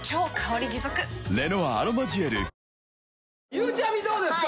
ゆうちゃみどうですか？